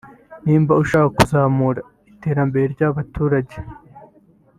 niba ushaka kuzamura iterambere ry’abaturage